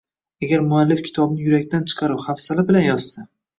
Agar muallif kitobni yurakdan chiqarib, hafsala bilan yozsa